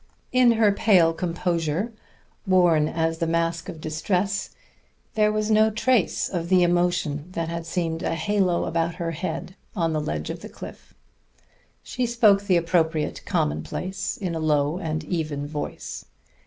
In her pale composure, worn as the mask of distress, there was no trace of the emotion that had seemed a halo about her head on the ledge of the cliff. She spoke the appropriate commonplace in a low and even voice.